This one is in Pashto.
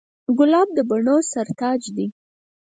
ګلاب د بڼو سر تاج دی.